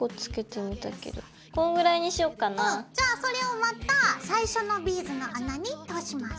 じゃそれをまた最初のビーズの穴に通します。